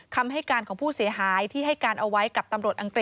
คำให้การของผู้เสียหายที่ให้การเอาไว้กับตำรวจอังกฤษ